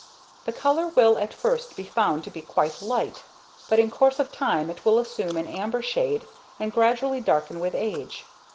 ] The colour will at first be found to be quite light, but in course of time it will assume an amber shade and gradually darken with age.